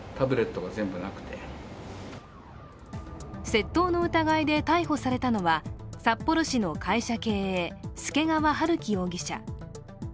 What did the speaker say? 窃盗の疑いで逮捕されたのは札幌市の会社経営、祐川春樹容疑者